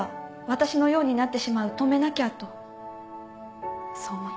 私のようになってしまう止めなきゃとそう思いました。